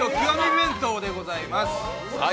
弁当でございます！